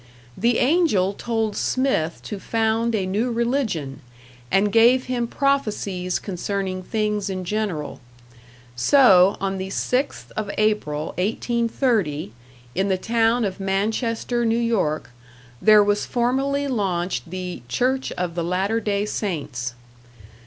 The Angel told Smith to found a new religion, and gave him prophecies concerning things in general; so, on the 6th of April, 1830, in the town of Manchester, N.Y., there was formally launched the "Church of the Latter Day Saints."